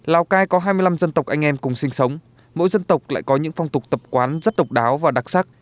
lào cai có hai mươi năm dân tộc anh em cùng sinh sống mỗi dân tộc lại có những phong tục tập quán rất độc đáo và đặc sắc